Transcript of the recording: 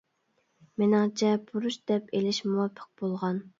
مېنىڭچە بۇرچ دەپ ئېلىش مۇۋاپىق بولغان.